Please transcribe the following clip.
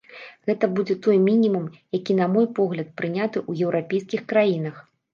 Гэта будзе той мінімум, які, на мой погляд, прыняты ў еўрапейскіх краінах.